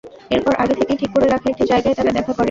এরপর আগে থেকেই ঠিক করে রাখা একটি জায়গায় তাঁরা দেখা করেন।